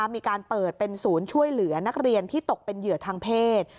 มีการเปิดเป็นศูนย์ช่วยเหลือนักเรียนที่ตกเป็นเหยื่อทางเพศ